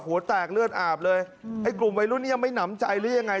หัวแตกเลือดอาบเลยไอ้กลุ่มวัยรุ่นนี้ยังไม่หนำใจหรือยังไง